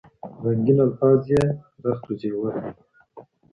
رنګین الفاظ یې رخت و زېور دی